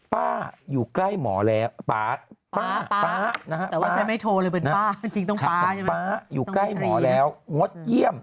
ป๊าอยู่ใกล้หมอแล้วป๊าป๊าป๊าป๊าอยู่ใกล้หมอแล้วงดเยี่ยม